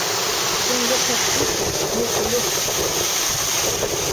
Ён лёг над крушняй з нейкай лёгкасцю на душы.